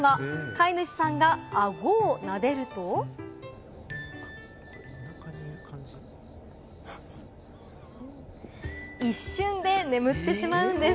飼い主さんがあごをなでると、一瞬で眠ってしまうんです。